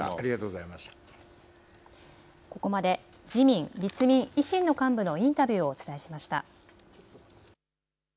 ここまで自民、立民、維新の幹部のインタビューをお伝えしました。